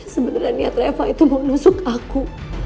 sebenarnya reva itu mau nusuk aku